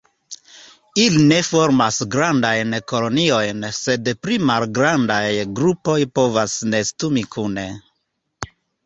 Ili ne formas grandajn koloniojn, sed pli malgrandaj grupoj povas nestumi kune.